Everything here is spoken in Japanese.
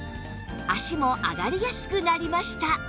脚も上がりやすくなりました